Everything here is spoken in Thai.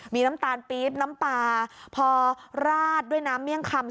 มีน้ำตาลปี๊บน้ำปลาพอราดด้วยน้ำเมี่ยงคำ